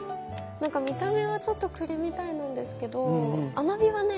何か見た目はちょっと栗みたいなんですけど甘みはね